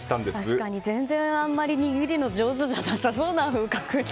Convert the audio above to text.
確かに全然あまり握るの上手じゃなさそうで。